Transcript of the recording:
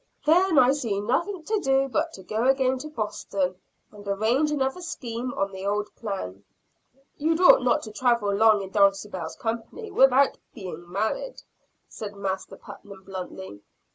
"Then I see nothing to do, but to go again to Boston, and arrange another scheme on the old plan." "You ought not to travel long in Dulcibel's company without being married," said Master Putnam bluntly.